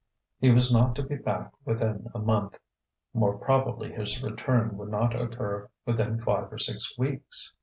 He was not to be back within a month; more probably his return would not occur within five or six weeks....